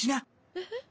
えっ？